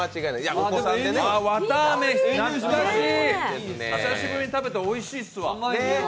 懐かしい、久しぶりに食べておいしいッスわ。